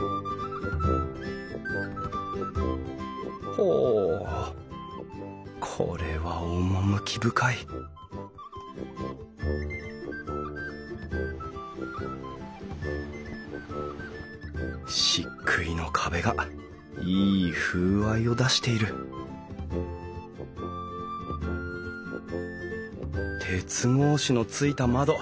ほうこれは趣深い漆喰の壁がいい風合いを出している鉄格子のついた窓。